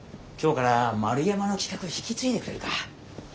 今日から丸山の企画引き継いでくれるか。